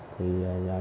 những giải pháp đó